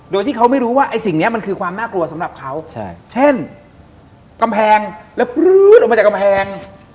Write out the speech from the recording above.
โดยที่เขาไม่รู้ว่าไอ้สิ่งนี้มันคือความน่ากลัวสำหรับเขาเช่นกำแพงแล้วปลื๊ดออกมาจากกำแพง